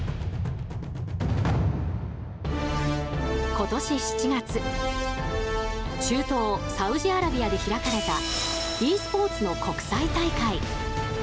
今年７月中東サウジアラビアで開かれたｅスポーツの国際大会。